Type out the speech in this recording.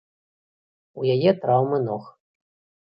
У яе траўмы ног.